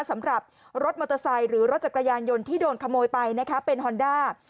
สำหรับรถมอเตอร์ไซค์หรือรถจักรยานยนต์ที่โดนขโมยไปนะคะเป็นฮอนด้า